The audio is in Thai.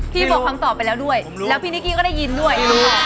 บอกคำตอบไปแล้วด้วยแล้วพี่นิกกี้ก็ได้ยินด้วย